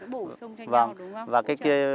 bổ sung cho nhau đúng không